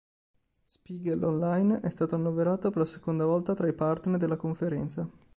Spiegel Online è stato annoverato per la seconda volta tra i partner della conferenza.